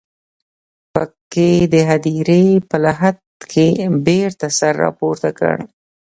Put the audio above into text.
په کې د هديرې په لحد کې بېرته سر راپورته کړ.